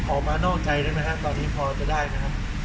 ออกมานอกใจได้ไหมครับตอนนี้พอจะได้ไหมครับ